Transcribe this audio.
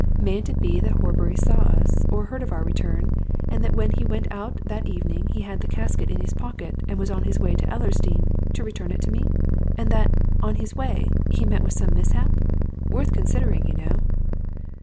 Mayn't it be that Horbury saw us, or heard of our return, and that when he went out that evening he had the casket in his pocket and was on his way to Ellersdeane, to return it to me? And that on his way he met with some mishap? Worth considering, you know."